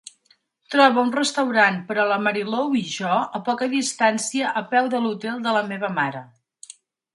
Troba un restaurant per a la marylou i jo a poca distància a peu de l'hotel de la meva mare